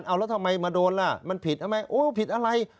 แล้วทำไมมาโดนมันผิดไหมโอ้ผิดอะไร